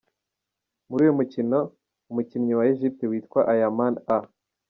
Muri uyu mukino umukinnyi wa Egypt witwa Ayamaan A.